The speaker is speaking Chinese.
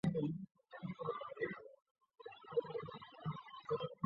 拉鲁县是位于美国肯塔基州中部的一个县。